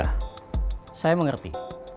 pak saya mengerti